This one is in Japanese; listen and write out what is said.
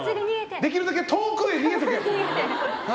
できるだけ遠くへ逃げとけ。